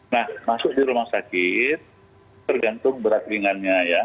nah masuk di rumah sakit tergantung berat ringannya ya